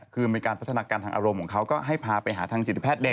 คือมีการพัฒนาการทางอารมณ์ของเขาก็ให้พาไปหาทางจิตแพทย์